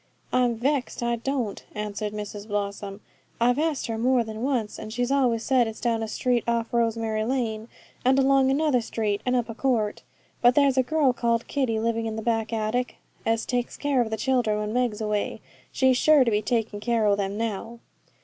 'I'm vexed I don't,' answered Mrs Blossom. 'I've asked her more than once, and she's always said it's down a street off Rosemary Lane, and along another street, and up a court. But there's a girl called Kitty living in the back attic, as takes care of the children when Meg's away. She's sure to be taking care o' them now.'